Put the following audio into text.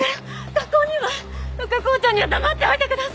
学校には副校長には黙っておいてください！